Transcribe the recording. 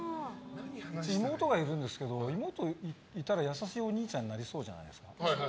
妹がいるんですけど妹がいたら優しいお兄ちゃんになりそうじゃないですか。